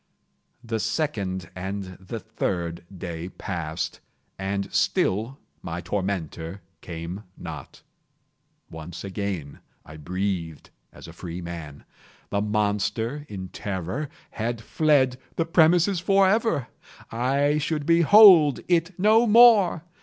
The second and the third day passed, and still my tormentor came not. Once again I breathed as a freeman. The monster, in terror, had fled the premises forever! I should behold it no more!